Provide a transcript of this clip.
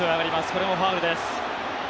これもファウルです。